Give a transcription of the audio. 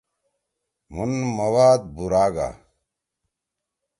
مُھن مواد بُورا گا۔